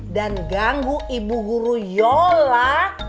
dan ganggu ibu guru yola